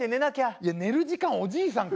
いや寝る時間おじいさんか！